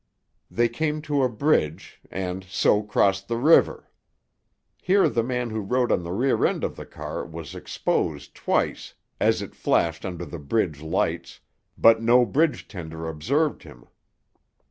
They came to a bridge, and so crossed the river. Here the man who rode on the rear end of the car was exposed twice as it flashed under the bridge lights, but no bridge tender observed him.